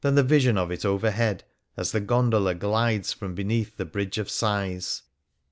The Heart of Venice vision of it overhead, as the gondola ghdes from beneath the ' Bridge of Sighs.'